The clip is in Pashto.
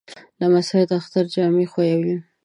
لمسی د اختر جامې خوښوي.